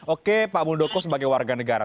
oke pak muldoko sebagai warga negara